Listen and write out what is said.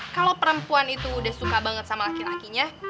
kalau perempuan itu udah suka banget sama laki lakinya